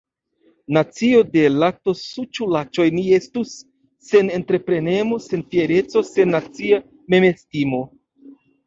Nacio de laktosuĉulaĉoj ni estus, sen entreprenemo, sen fiereco, sen nacia memestimo.